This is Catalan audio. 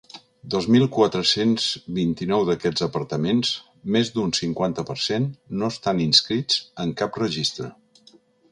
Dos mil quatre-cents vint-i-nou d’aquests apartaments, més d’un cinquanta per cent, no estan inscrits en cap registre.